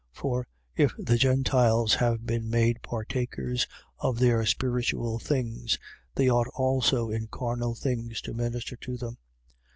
For, if the Gentiles have been made partakers of their spiritual things, they ought also in carnal things to minister to them.